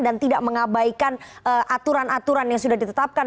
dan tidak mengabaikan aturan aturan yang sudah ditetapkan